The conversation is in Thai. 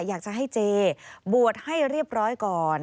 อยากจะให้เจบวชให้เรียบร้อยก่อน